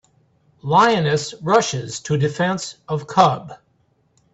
Lioness Rushes to Defense of Cub.